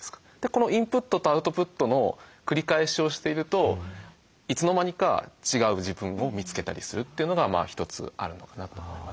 このインプットとアウトプットの繰り返しをしているといつの間にか違う自分を見つけたりするというのが一つあるのかなと思います。